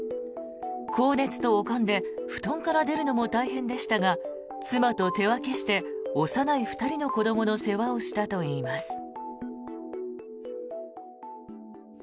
高熱と悪寒で布団から出るのも大変でしたが妻と手分けして幼い２人の子どもの世話をしたといいます。